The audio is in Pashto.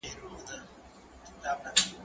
هغه وويل چي لوښي مينځل مهم دي؟